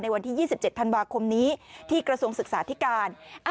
วันที่๒๗ธันวาคมนี้ที่กระทรวงศึกษาธิการ